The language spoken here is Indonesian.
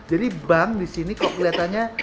jadi bank disini kok kelihatannya